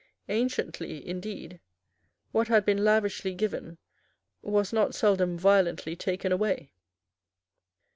Anciently, indeed, what had been lavishly given was not seldom violently taken away.